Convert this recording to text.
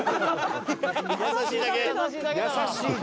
優しいだけ？